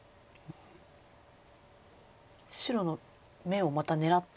白の眼をまた狙っている？